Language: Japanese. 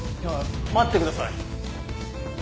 あっ待ってください。